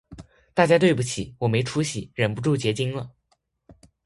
大家对不起，我没出息，忍不住结晶了